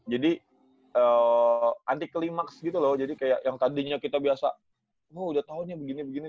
jadi anti klimaks gitu loh jadi kayak yang tadinya kita biasa wah udah tahunya begini begini